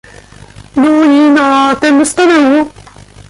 "No i na tem stanęło."